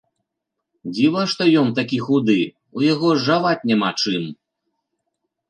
Дзіва што ён такі худы, у яго жаваць няма чым.